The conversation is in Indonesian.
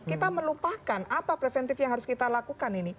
kita melupakan apa preventif yang harus kita lakukan ini